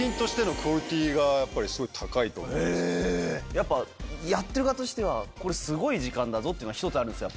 やっぱやってる側としては「これすごい時間だぞ」っていうのが１つあるんですよ